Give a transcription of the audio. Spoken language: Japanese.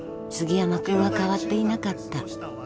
杉山君は変わっていなかった